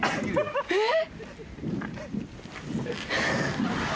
えっ？